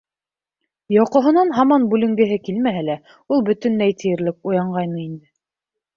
Йоҡоһонан һаман бүленгеһе килмәһә лә, ул бөтөнләй тиерлек уянғайны инде.